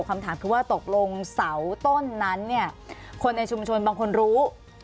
คำถามคือว่าตกลงเสาต้นนั้นเนี่ยคนในชุมชนบางคนรู้